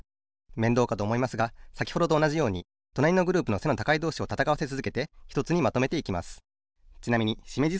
めんどうかとおもいますがさきほどとおなじようにとなりのグループの背の高いどうしをたたかわせつづけてひとつにまとめていきます。